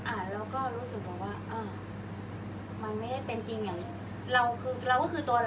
อันไหนที่มันไม่จริงแล้วอาจารย์อยากพูด